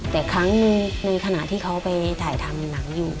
แต่ครั้งหนึ่งในขณะที่เขาไปถ่ายทำหนังอยู่